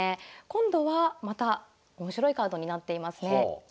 今度はまた面白いカードになっていますね。